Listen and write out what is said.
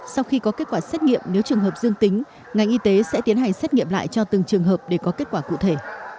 sau khi có kết quả xét nghiệm nếu trường hợp dương tính ngành y tế sẽ tiến hành xét nghiệm lại cho từng trường hợp để có kết quả cụ thể